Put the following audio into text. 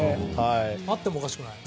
あってもおかしくない。